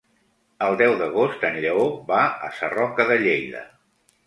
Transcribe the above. El deu d'agost en Lleó va a Sarroca de Lleida.